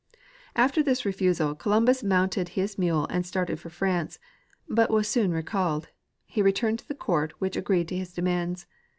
After this refusal Columbus mounted his mule and started for France, but was soon recalled ; he returned to the court, which agreed to his demands.